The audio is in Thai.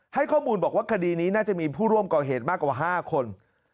ให้ข้อมูลบอกว่าคดีนี้น่าจะมีผู้ร่วมก่อเหตุมากกว่า๕คน